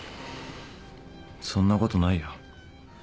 そんなことないよ。